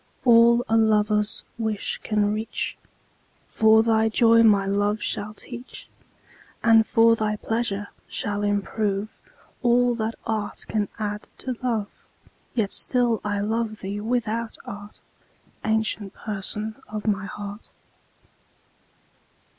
All a lover's wish can reach, For thy joy my love shall teach; And for thy pleasure shall improve All that art can add to love. Yet still I love thee without art, Ancient Person of my heart.